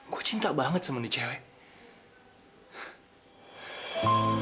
gue cinta banget sama nih cele